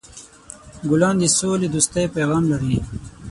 ګلان د سولهدوستۍ پیغام لري.